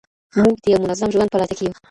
موږ د يو منظم ژوند په لټه کي يو.